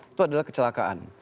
itu adalah kecelakaan